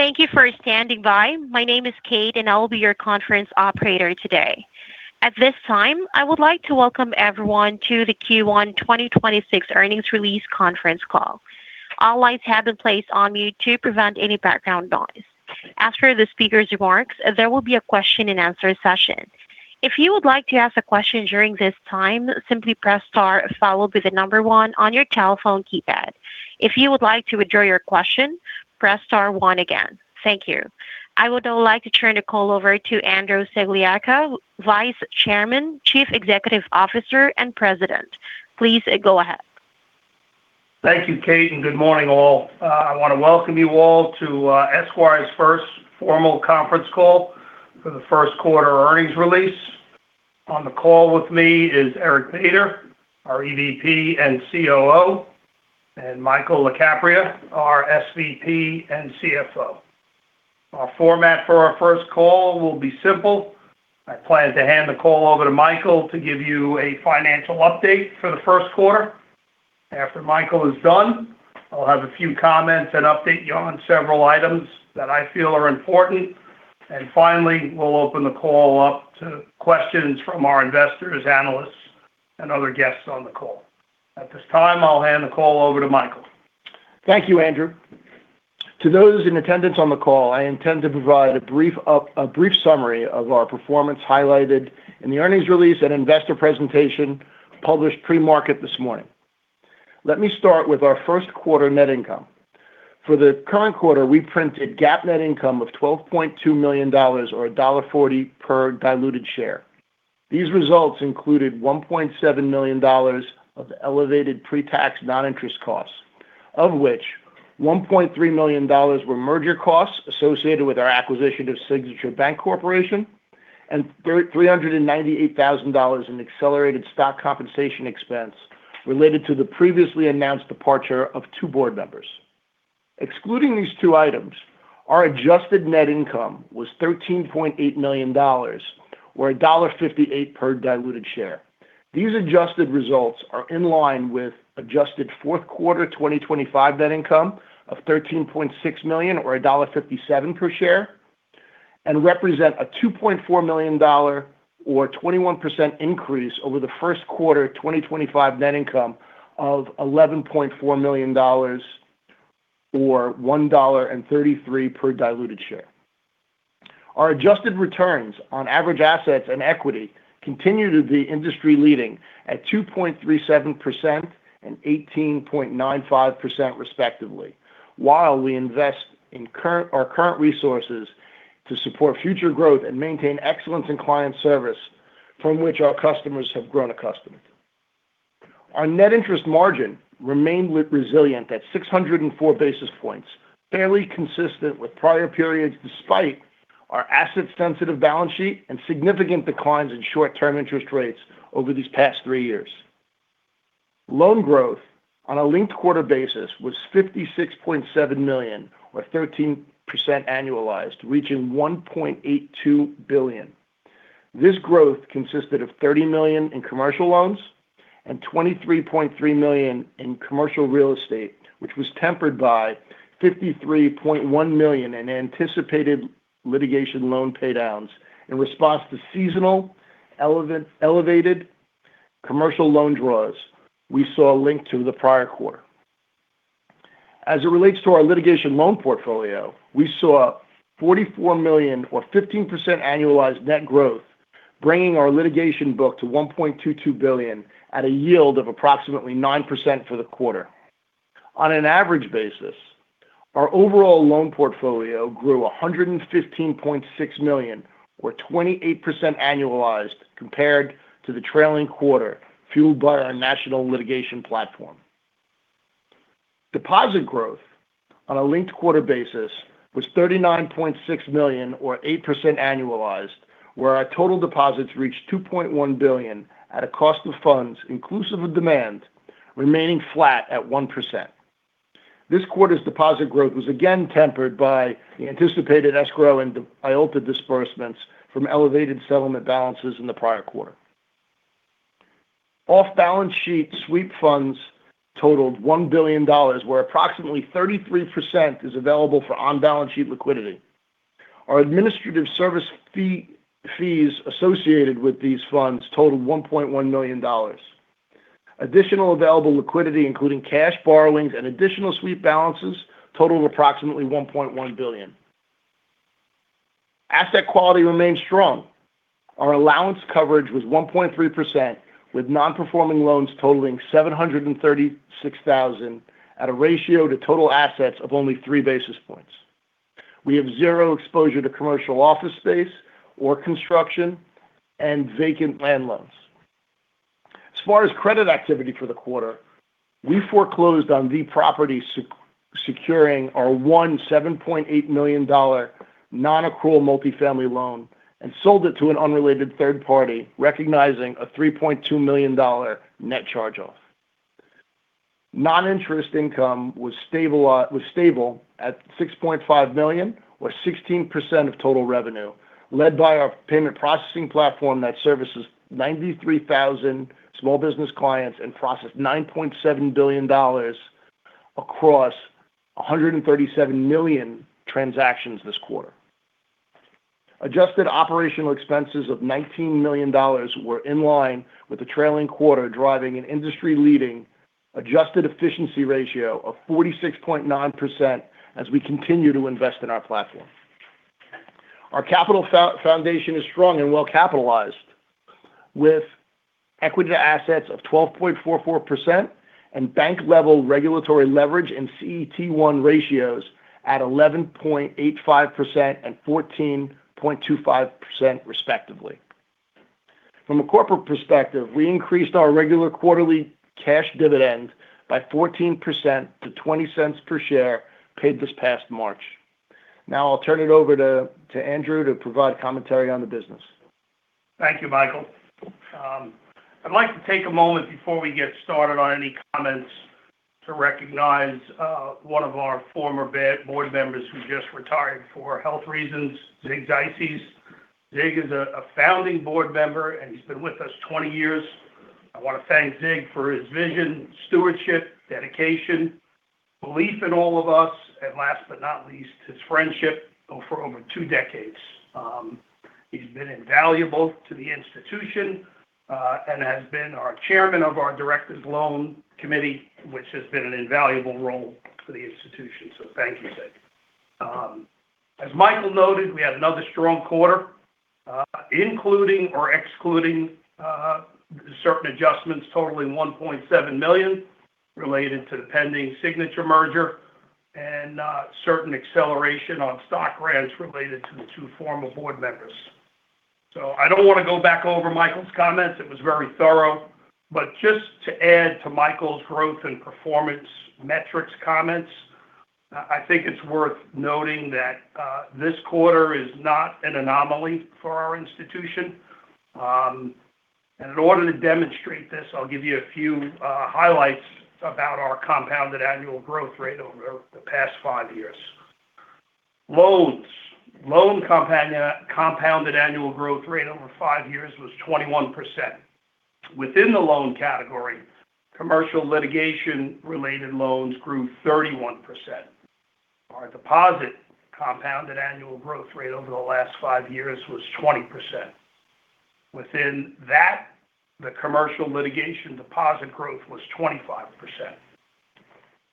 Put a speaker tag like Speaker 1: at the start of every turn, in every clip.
Speaker 1: Thank you for standing by. My name is Kate, and I will be your conference operator today. At this time, I would like to welcome everyone to the Q1 2026 earnings release conference call. All lines have been placed on mute to prevent any background noise. After the speaker's remarks, there will be a question-and-answer session. If you would like to ask a question during this time, simply press star followed by the one on your telephone keypad. If you would like to withdraw your question, press star one again. Thank you. I would now like to turn the call over to Andrew Sagliocca, Vice Chairman, Chief Executive Officer, and President. Please go ahead.
Speaker 2: Thank you, Kate, and good morning, all. I want to welcome you all to Esquire's first formal conference call for the first quarter earnings release. On the call with me is Eric Bader, our EVP and COO, and Michael Lacapria, our SVP and CFO. Our format for our first call will be simple. I plan to hand the call over to Michael to give you a financial update for the first quarter. After Michael is done, I'll have a few comments and update you on several items that I feel are important. Finally, we'll open the call up to questions from our investors, analysts, and other guests on the call. At this time, I'll hand the call over to Michael.
Speaker 3: Thank you, Andrew. To those in attendance on the call, I intend to provide a brief summary of our performance highlighted in the earnings release and investor presentation published pre-market this morning. Let me start with our first quarter net income. For the current quarter, we printed GAAP net income of $12.2 million, or $1.40 per diluted share. These results included $1.7 million of elevated pre-tax non-interest costs, of which $1.3 million were merger costs associated with our acquisition of Signature Bancorporation, Inc., and $398,000 in accelerated stock compensation expense related to the previously announced departure of two board members. Excluding these two items, our adjusted net income was $13.8 million, or $1.58 per diluted share. These adjusted results are in line with adjusted fourth quarter 2025 net income of $13.6 million, or $1.57 per share, and represent a $2.4 million, or 21% increase over the first quarter 2025 net income of $11.4 million, or $1.33 per diluted share. Our adjusted returns on average assets and equity continue to be industry-leading at 2.37% and 18.95% respectively, while we invest our current resources to support future growth and maintain excellence in client service from which our customers have grown accustomed. Our net interest margin remained resilient at 604 basis points, fairly consistent with prior periods, despite our asset-sensitive balance sheet and significant declines in short-term interest rates over these past three years. Loan growth on a linked quarter basis was $56.7 million, or 13% annualized, reaching $1.82 billion. This growth consisted of $30 million in commercial loans and $23.3 million in commercial real estate, which was tempered by $53.1 million in anticipated litigation loan paydowns in response to seasonal elevated commercial loan draws we saw linked to the prior quarter. As it relates to our litigation loan portfolio, we saw $44 million, or 15% annualized net growth, bringing our litigation book to $1.22 billion at a yield of approximately 9% for the quarter. On an average basis, our overall loan portfolio grew $115.6 million, or 28% annualized compared to the trailing quarter, fueled by our national litigation platform. Deposit growth on a linked-quarter basis was $39.6 million or 8% annualized, where our total deposits reached $2.1 billion at a cost of funds inclusive of demand remaining flat at 1%. This quarter's deposit growth was again tempered by the anticipated escrow and IOLTA disbursements from elevated settlement balances in the prior quarter. Off-balance sheet sweep funds totaled $1 billion, where approximately 33% is available for on-balance sheet liquidity. Our administrative service fees associated with these funds totaled $1.1 million. Additional available liquidity, including cash borrowings and additional sweep balances, totaled approximately $1.1 billion. Asset quality remains strong. Our allowance coverage was 1.3%, with non-performing loans totaling $736,000 at a ratio to total assets of only three basis points. We have zero exposure to commercial office space or construction and vacant land loans. As far as credit activity for the quarter, we foreclosed on the property securing our one $7.8 million non-accrual multifamily loan and sold it to an unrelated third party, recognizing a $3.2 million net charge-off. Non-interest income was stable at $6.5 million, or 16% of total revenue. Led by our payment processing platform that services 93,000 small business clients and processed $9.7 billion across 137 million transactions this quarter. Adjusted operational expenses of $19 million were in line with the trailing quarter, driving an industry-leading adjusted efficiency ratio of 46.9% as we continue to invest in our platform. Our capital foundation is strong and well-capitalized, with equity to assets of 12.44% and bank-level regulatory leverage and CET1 ratios at 11.85% and 14.25% respectively. From a corporate perspective, we increased our regular quarterly cash dividend by 14% to $0.20 per share paid this past March. Now I'll turn it over to Andrew to provide commentary on the business.
Speaker 2: Thank you, Michael. I'd like to take a moment before we get started on any comments to recognize one of our former board members who just retired for health reasons, Selig Zises. Selig is a founding board member, and he's been with us 20 years. I want to thank Selig for his vision, stewardship, dedication, belief in all of us, and last but not least, his friendship for over two decades. He's been invaluable to the institution and has been our chairman of our directors loan committee, which has been an invaluable role for the institution. Thank you, Selig. As Michael noted, we had another strong quarter including or excluding certain adjustments totaling $1.7 million related to the pending Signature merger and certain acceleration on stock grants related to the two former board members. I don't want to go back over Michael's comments. It was very thorough, but just to add to Michael's growth and performance metrics comments, I think it's worth noting that this quarter is not an anomaly for our institution. In order to demonstrate this, I'll give you a few highlights about our compounded annual growth rate over the past five years. Loans. Loan compounded annual growth rate over five years was 21%. Within the loan category, commercial litigation related loans grew 31%. Our deposit compounded annual growth rate over the last five years was 20%. Within that, the commercial litigation deposit growth was 25%.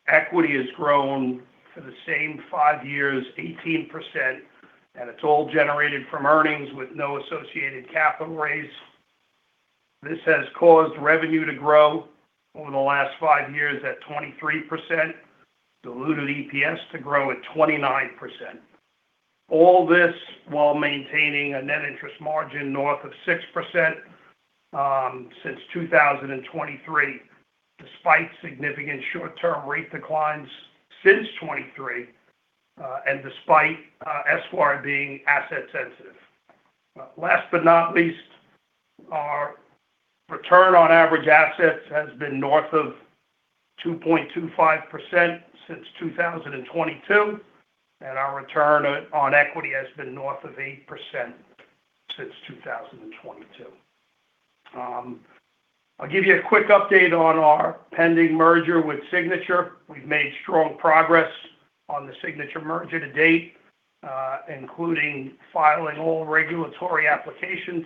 Speaker 2: Equity has grown for the same five years, 18%, and it's all generated from earnings with no associated capital raise. This has caused revenue to grow over the last five years at 23%, diluted EPS to grow at 29%. All this while maintaining a net interest margin north of 6% since 2023, despite significant short-term rate declines since 2023, and despite Esquire being asset sensitive. Last but not least, our return on average assets has been north of 2.25% since 2022, and our return on equity has been north of 8% since 2022. I'll give you a quick update on our pending merger with Signature. We've made strong progress on the Signature merger to date, including filing all regulatory applications,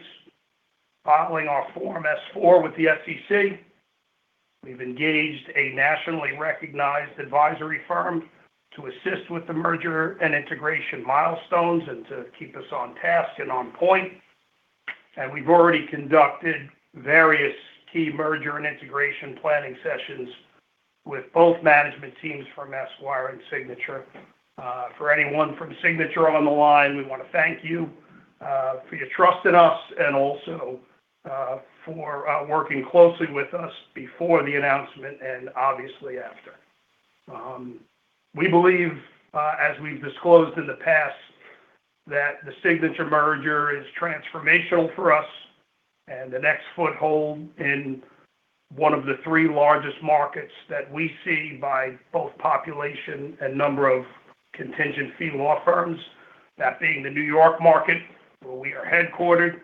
Speaker 2: filing our Form S-4 with the SEC. We've engaged a nationally recognized advisory firm to assist with the merger and integration milestones and to keep us on task and on point. We've already conducted various key merger and integration planning sessions with both management teams from Esquire and Signature. For anyone from Signature on the line, we want to thank you for your trust in us and also for working closely with us before the announcement and obviously after. We believe as we've disclosed in the past, that the Signature merger is transformational for us and the next foothold in one of the three largest markets that we see by both population and number of contingent fee law firms, that being the New York market, where we are headquartered.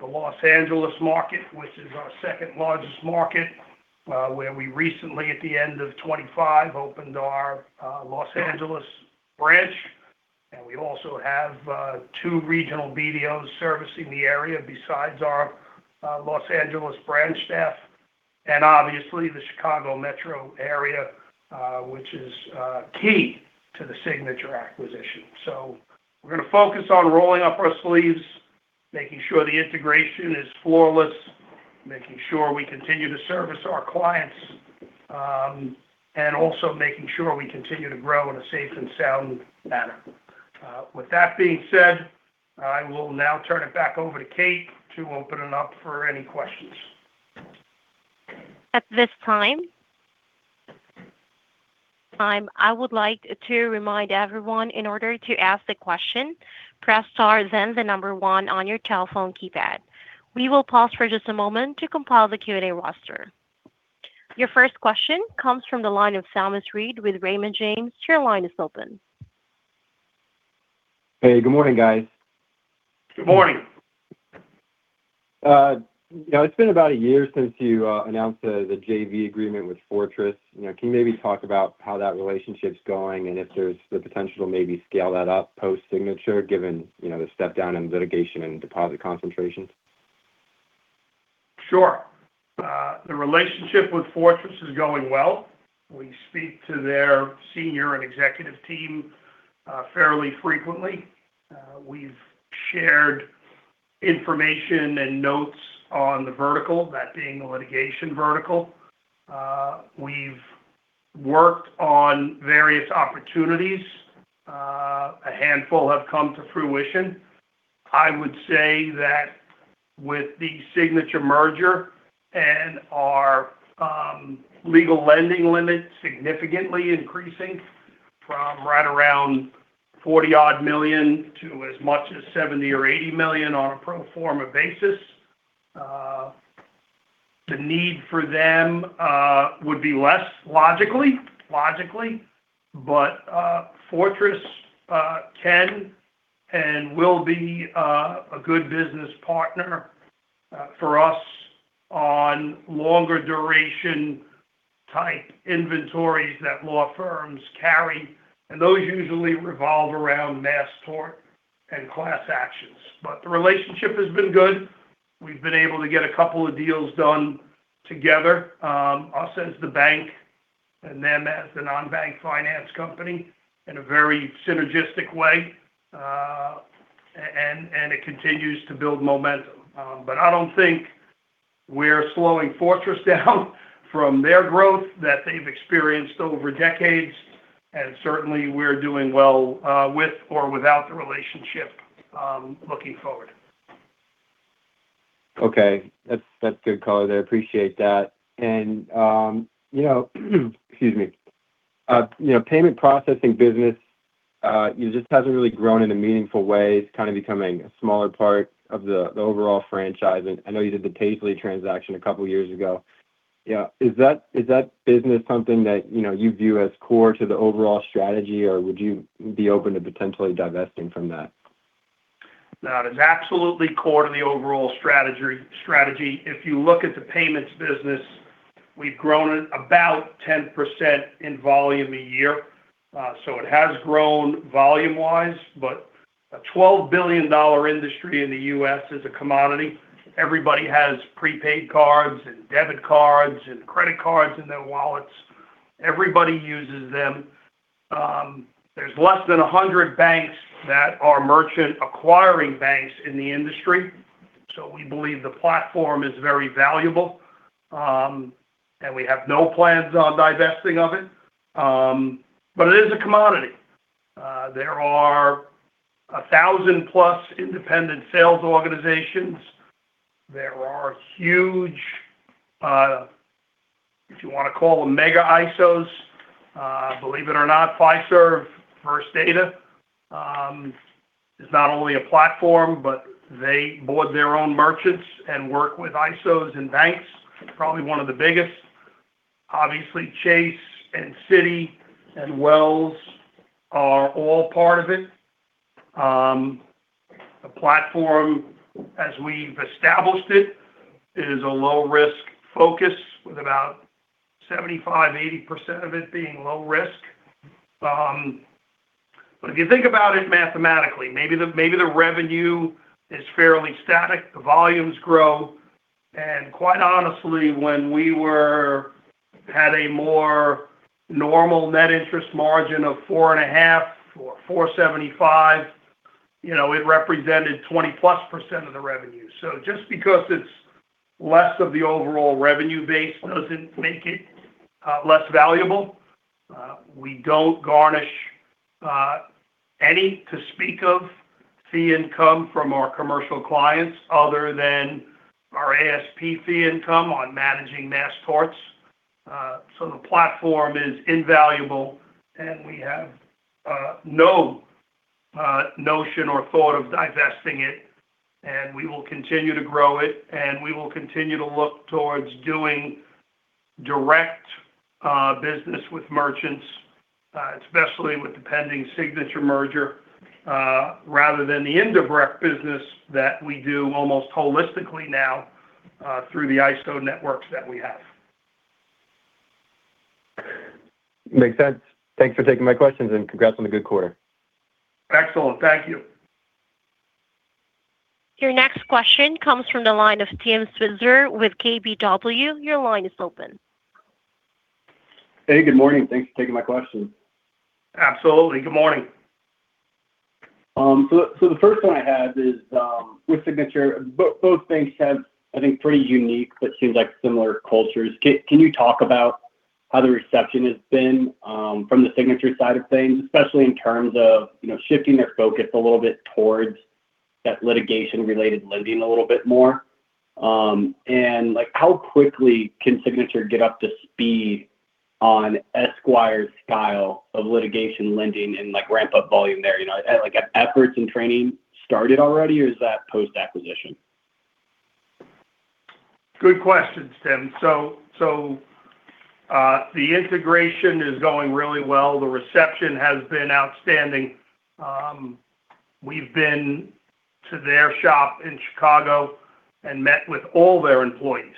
Speaker 2: The Los Angeles market, which is our second largest market, where we recently at the end of 2025, opened our Los Angeles branch. We also have two regional BDOs servicing the area besides our Los Angeles branch staff. Obviously the Chicago metro area, which is key to the Signature acquisition. We're going to focus on rolling up our sleeves, making sure the integration is flawless, making sure we continue to service our clients, and also making sure we continue to grow in a safe and sound manner. With that being said, I will now turn it back over to Kate to open it up for any questions.
Speaker 1: At this time, I would like to remind everyone, in order to ask the question, press star then one on your telephone keypad. We will pause for just a moment to compile the Q and A roster. Your first question comes from the line of Stephen Saracino with Raymond James. Your line is open.
Speaker 4: Hey, good morning, guys.
Speaker 2: Good morning.
Speaker 4: It's been about a year since you announced the JV agreement with Fortress. Can you maybe talk about how that relationship's going and if there's the potential to maybe scale that up post-Signature, given the step-down in litigation and deposit concentrations?
Speaker 2: Sure. The relationship with Fortress is going well. We speak to their senior and executive team fairly frequently. We've shared information and notes on the vertical, that being the litigation vertical. We've worked on various opportunities. A handful have come to fruition. I would say that with the Signature merger and our legal lending limit significantly increasing from right around $40 million to as much as $70 million or $80 million on a pro forma basis. The need for them would be less logically. Fortress can and will be a good business partner for us on longer duration-type inventories that law firms carry, and those usually revolve around mass tort and class actions. The relationship has been good. We've been able to get a couple of deals done together, us as the bank and them as the non-bank finance company in a very synergistic way, and it continues to build momentum. I don't think we're slowing Fortress down from their growth that they've experienced over decades, and certainly, we're doing well with or without the relationship looking forward.
Speaker 4: Okay. That's good color. I appreciate that. Excuse me. Payment processing business just hasn't really grown in a meaningful way. It's kind of becoming a smaller part of the overall franchise. I know you did the Traly transaction a couple of years ago. Is that business something that you view as core to the overall strategy, or would you be open to potentially divesting from that?
Speaker 2: No, it is absolutely core to the overall strategy. If you look at the payments business, we've grown it about 10% in volume a year. It has grown volume-wise, but a $12 billion industry in the U.S. is a commodity. Everybody has prepaid cards and debit cards and credit cards in their wallets. Everybody uses them. There's less than 100 banks that are merchant acquiring banks in the industry. We believe the platform is very valuable. We have no plans on divesting of it. It is a commodity. There are 1,000+ independent sales organizations. There are huge, if you want to call them mega ISOs. Believe it or not, Fiserv, First Data is not only a platform, but they board their own merchants and work with ISOs and banks. Probably one of the biggest. Obviously, Chase and Citi and Wells are all part of it. The platform, as we've established it, is a low-risk focus with about 75%-80% of it being low risk. If you think about it mathematically, maybe the revenue is fairly static. The volumes grow. Quite honestly, when we had a more normal net interest margin of 4.5, 4.75, it represented 20%+ of the revenue. Just because it's less of the overall revenue base doesn't make it less valuable. We don't garnish any to speak of fee income from our commercial clients other than our ASP fee income on managing mass torts. The platform is invaluable, and we have no notion or thought of divesting it, and we will continue to grow it, and we will continue to look towards doing direct business with merchants, especially with the pending Signature merger rather than the indirect business that we do almost holistically now through the ISO networks that we have.
Speaker 4: Makes sense. Thanks for taking my questions, and congrats on the good quarter.
Speaker 2: Excellent. Thank you.
Speaker 1: Your next question comes from the line of Tim Switzer with KBW. Your line is open.
Speaker 5: Hey, good morning. Thanks for taking my question.
Speaker 2: Absolutely. Good morning.
Speaker 5: The first one I had is with Signature. Both banks have, I think, pretty unique but seems like similar cultures. Can you talk about how the reception has been from the Signature side of things, especially in terms of shifting their focus a little bit towards that litigation-related lending a little bit more? And how quickly can Signature get up to speed on Esquire's style of litigation lending and ramp-up volume there. Have efforts and training started already or is that post-acquisition?
Speaker 2: Good question, Tim. The integration is going really well. The reception has been outstanding. We've been to their shop in Chicago and met with all their employees,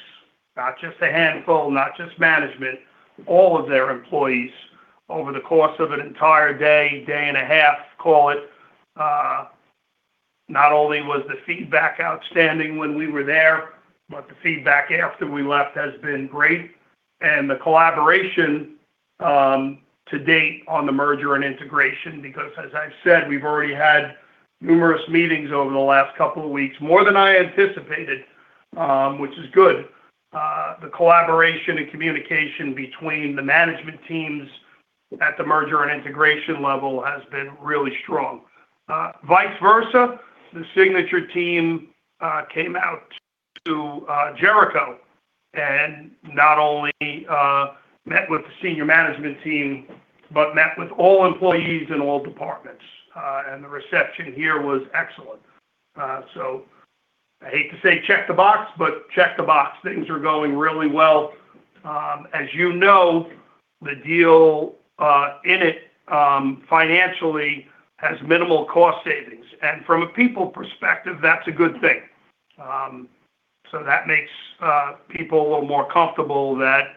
Speaker 2: not just a handful, not just management, all of their employees over the course of an entire day and a half, call it. Not only was the feedback outstanding when we were there, but the feedback after we left has been great. The collaboration to date on the merger and integration, because as I've said, we've already had numerous meetings over the last couple of weeks, more than I anticipated, which is good. The collaboration and communication between the management teams at the merger and integration level has been really strong. Vice versa, the Signature team came out to Jericho, and not only met with the senior management team, but met with all employees in all departments. The reception here was excellent. I hate to say check the box, but check the box. Things are going really well. As you know, the deal in it financially has minimal cost savings. From a people perspective, that's a good thing. That makes people a little more comfortable that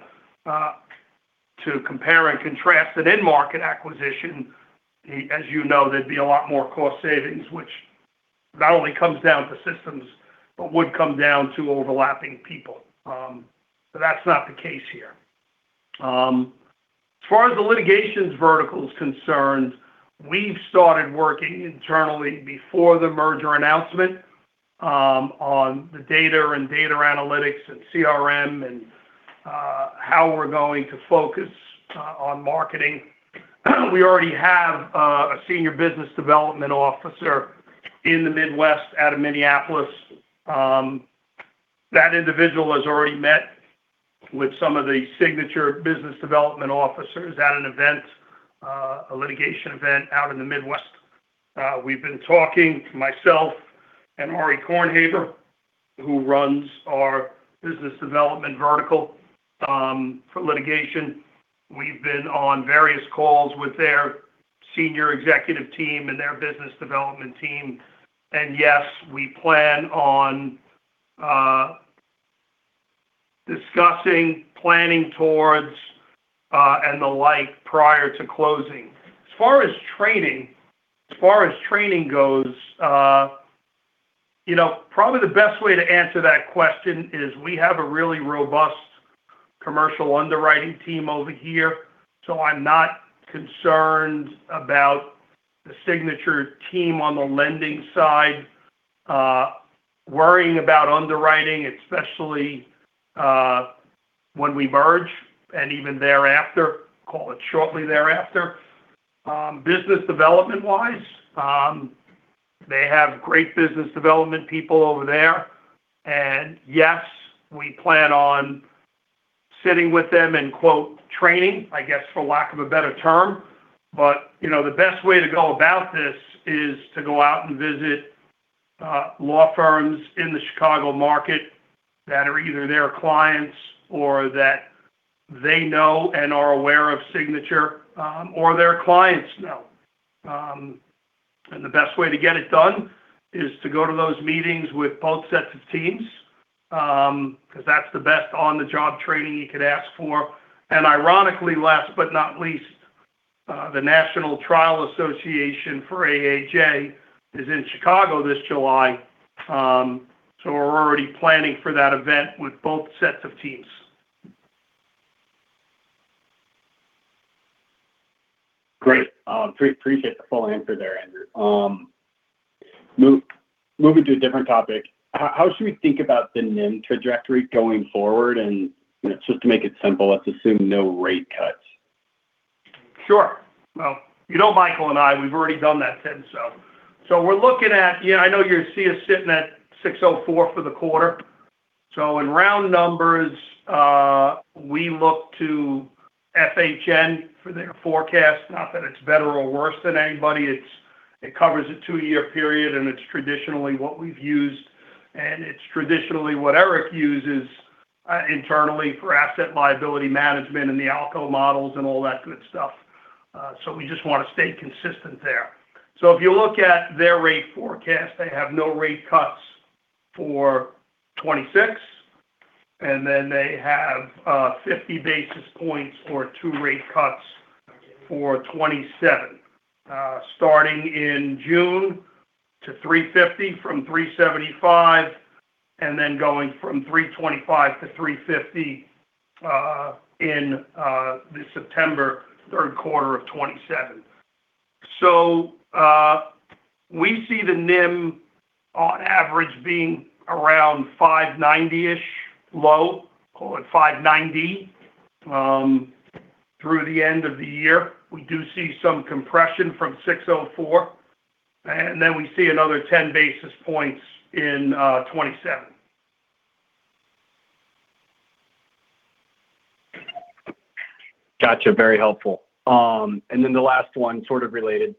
Speaker 2: to compare and contrast an end-market acquisition, as you know, there'd be a lot more cost savings, which not only comes down to systems, but would come down to overlapping people. That's not the case here. As far as the litigations vertical is concerned, we've started working internally before the merger announcement on the data and data analytics and CRM and how we're going to focus on marketing. We already have a senior business development officer in the Midwest out of Minneapolis. That individual has already met with some of the Signature business development officers at an event, a litigation event out in the Midwest. We've been talking, myself and Ari Kornhaber, who runs our business development vertical for litigation. We've been on various calls with their senior executive team and their business development team. Yes, we plan on discussing planning towards and the like prior to closing. As far as training goes, probably the best way to answer that question is we have a really robust commercial underwriting team over here. So I'm not concerned about the Signature team on the lending side worrying about underwriting, especially when we merge, and even thereafter, call it shortly thereafter. Business development-wise, they have great business development people over there. Yes, we plan on sitting with them and quote, "training," I guess for lack of a better term. The best way to go about this is to go out and visit law firms in the Chicago market that are either their clients or that they know and are aware of Signature or their clients know. The best way to get it done is to go to those meetings with both sets of teams, because that's the best on-the-job training you could ask for. Ironically, last but not least, The National Trial Lawyers is in Chicago this July. We're already planning for that event with both sets of teams.
Speaker 5: Great. Appreciate the full answer there, Andrew. Moving to a different topic. How should we think about the NIM trajectory going forward? Just to make it simple, let's assume no rate cuts.
Speaker 2: Sure. Well, you know Michael and I, we've already done that, Tim. We're looking at, I know you see us sitting at 604 for the quarter. In round numbers, we look to F&H for their forecast, not that it's better or worse than anybody. It covers a two year period, and it's traditionally what we've used, and it's traditionally what Eric uses internally for asset liability management and the ALCO models and all that good stuff. We just want to stay consistent there. If you look at their rate forecast, they have no rate cuts for 2026, and then they have 50 basis points or two rate cuts for 2027. Starting in June to 350 from 375, and then going from 325 to 350 in the September third quarter of 2027. We see the NIM on average being around 590-ish low, call it 590, through the end of the year. We do see some compression from 604, and then we see another 10 basis points in 2027.
Speaker 5: Gotcha. Very helpful. The last one sort of related.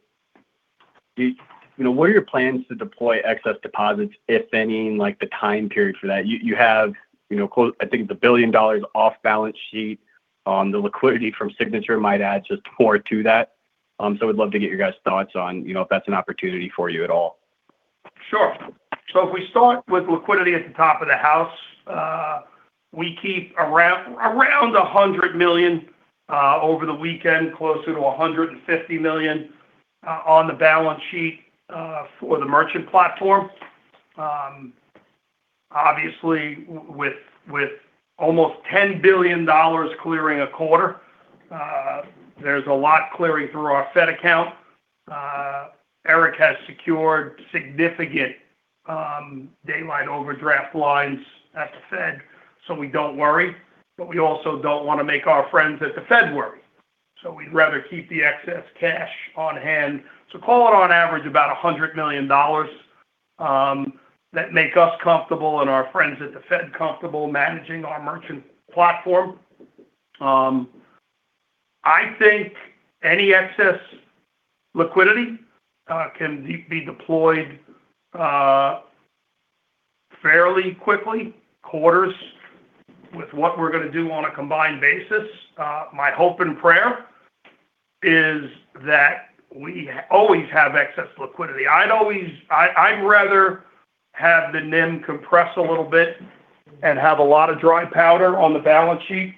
Speaker 5: What are your plans to deploy excess deposits, if any, and the time period for that? You have, I think it's $1 billion off balance sheet. The liquidity from Signature might add just more to that. Would love to get your guys' thoughts on if that's an opportunity for you at all.
Speaker 2: Sure. If we start with liquidity at the top of the house, we keep around $100 million over the weekend, closer to $150 million on the balance sheet for the merchant platform. Obviously, with almost $10 billion clearing a quarter, there's a lot clearing through our Fed account. Eric has secured significant daylight overdraft lines at the Fed, so we don't worry. We also don't want to make our friends at the Fed worry. We'd rather keep the excess cash on hand. Call it on average about $100 million that make us comfortable and our friends at the Fed comfortable managing our merchant platform. I think any excess liquidity can be deployed fairly quickly, quarters with what we're going to do on a combined basis. My hope and prayer is that we always have excess liquidity. I'd rather have the NIM compress a little bit and have a lot of dry powder on the balance sheet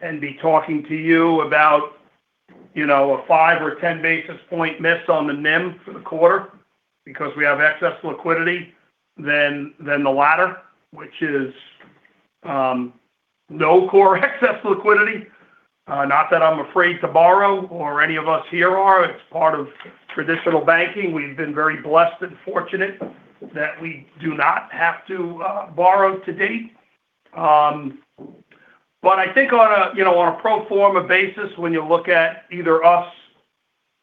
Speaker 2: and be talking to you about a 5 or 10 basis point miss on the NIM for the quarter because we have excess liquidity than the latter, which is no core excess liquidity. Not that I'm afraid to borrow or any of us here are. It's part of traditional banking. We've been very blessed and fortunate that we do not have to borrow to date. I think on a pro forma basis, when you look at either us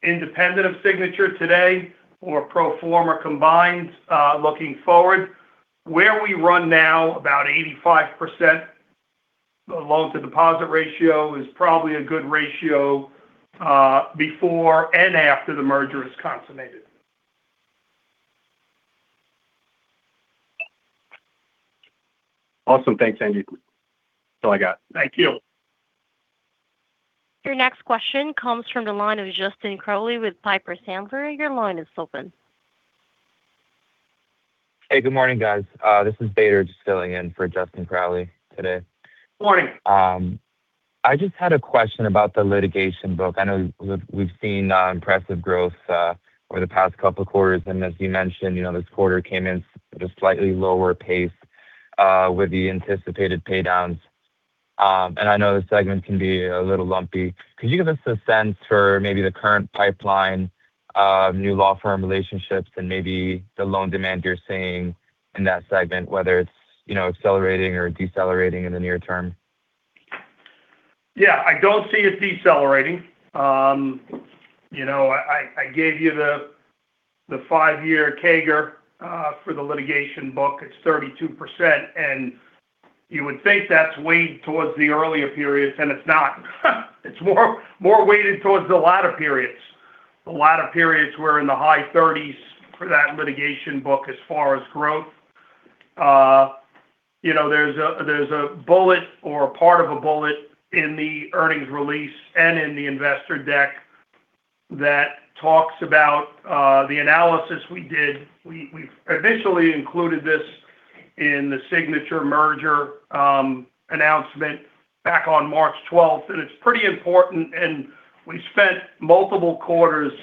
Speaker 2: independent of Signature today or pro forma combined looking forward, where we run now about 85% loan-to-deposit ratio is probably a good ratio before and after the merger is consummated.
Speaker 5: Awesome. Thanks, Andrew. That's all I got.
Speaker 2: Thank you.
Speaker 1: Your next question comes from the line of Justin Crowley with Piper Sandler. Your line is open.
Speaker 6: Hey, good morning, guys. This is Bader just filling in for Justin Crowley today.
Speaker 2: Morning.
Speaker 6: I just had a question about the litigation book. I know we've seen impressive growth over the past couple of quarters, and as you mentioned, this quarter came in at a slightly lower pace with the anticipated pay downs. I know this segment can be a little lumpy. Could you give us a sense for maybe the current pipeline of new law firm relationships and maybe the loan demand you're seeing in that segment, whether it's accelerating or decelerating in the near term?
Speaker 2: Yeah. I don't see it decelerating. I gave you the five-year CAGR for the litigation book. It's 32%, and you would think that's weighed towards the earlier periods, and it's not. It's more weighted towards the latter periods. The latter periods were in the high 30s for that litigation book as far as growth. There's a bullet or a part of a bullet in the earnings release and in the investor deck that talks about the analysis we did. We've initially included this in the Signature merger announcement back on March 12th, and it's pretty important, and we spent multiple quarters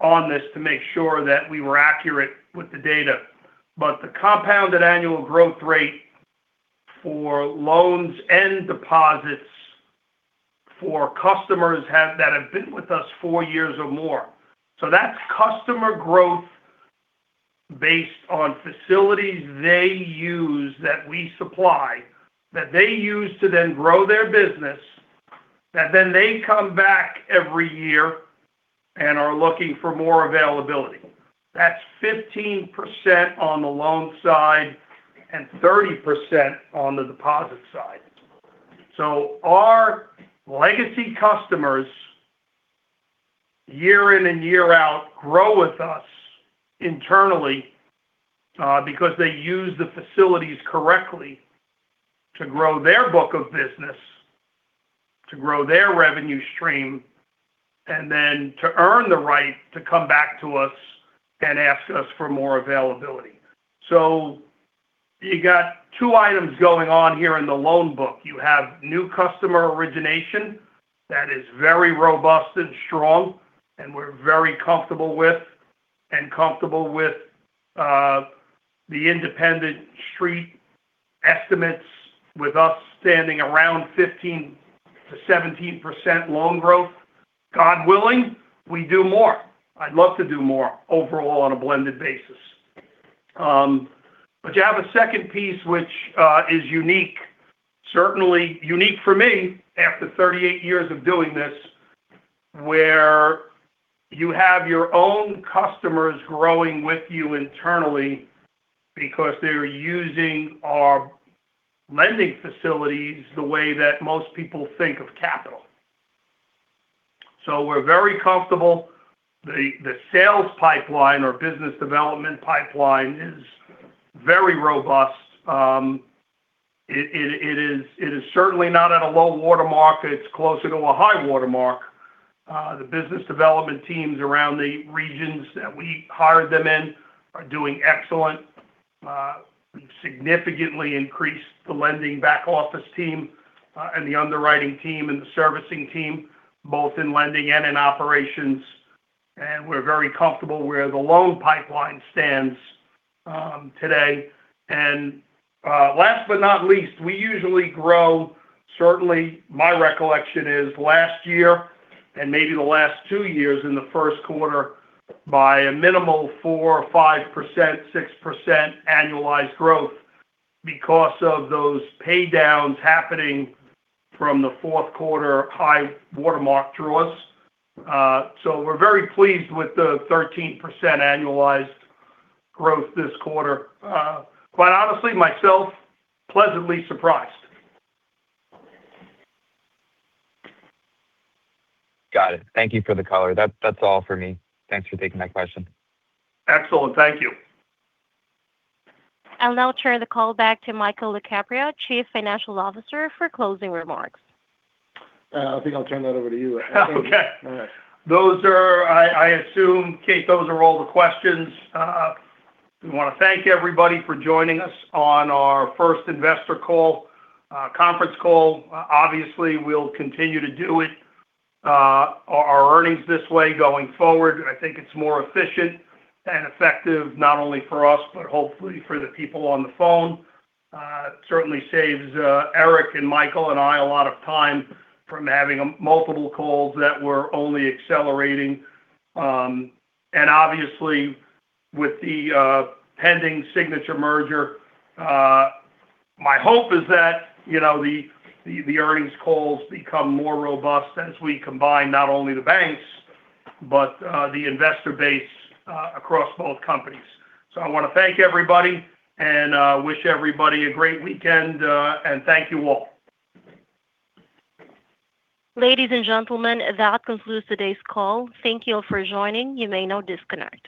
Speaker 2: on this to make sure that we were accurate with the data. The compounded annual growth rate for loans and deposits for customers that have been with us four years or more. That's customer growth based on facilities they use that we supply, that they use to then grow their business, that then they come back every year and are looking for more availability. That's 15% on the loan side and 30% on the deposit side. Our legacy customers year in and year out grow with us internally because they use the facilities correctly to grow their book of business, to grow their revenue stream, and then to earn the right to come back to us and ask us for more availability. You got two items going on here in the loan book. You have new customer origination that is very robust and strong and we're very comfortable with. Comfortable with the independent Street estimates with us standing around 15%-17% loan growth. God willing, we do more. I'd love to do more overall on a blended basis. You have a second piece which is unique. Certainly unique for me after 38 years of doing this where you have your own customers growing with you internally because they're using our lending facilities the way that most people think of capital. We're very comfortable. The sales pipeline or business development pipeline is very robust. It is certainly not at a low water mark. It's closer to a high water mark. The business development teams around the regions that we hired them in are doing excellent. We've significantly increased the lending back office team and the underwriting team and the servicing team, both in lending and in operations. We're very comfortable where the loan pipeline stands today. Last but not least, we usually grow, certainly my recollection is last year and maybe the last two years in the first quarter, by a minimal 4%, 5%, 6% annualized growth because of those pay downs happening from the fourth quarter high watermark to us. We're very pleased with the 13% annualized growth this quarter. Quite honestly, myself, pleasantly surprised.
Speaker 6: Got it. Thank you for the color. That's all for me. Thanks for taking my question.
Speaker 2: Excellent. Thank you.
Speaker 1: I'll now turn the call back to Michael Lacapria, Chief Financial Officer, for closing remarks.
Speaker 3: I think I'll turn that over to you.
Speaker 2: Okay.
Speaker 3: All right.
Speaker 2: I assume, Kate, those are all the questions. We want to thank everybody for joining us on our first investor call, conference call. Obviously, we'll continue to do it, our earnings this way going forward. I think it's more efficient and effective, not only for us, but hopefully for the people on the phone. It certainly saves Eric and Michael and I a lot of time from having multiple calls that we're only accelerating. Obviously with the pending Signature merger, my hope is that the earnings calls become more robust as we combine not only the banks, but the investor base across both companies. I want to thank everybody and wish everybody a great weekend, and thank you all.
Speaker 1: Ladies and gentlemen, that concludes today's call. Thank you for joining. You may now disconnect.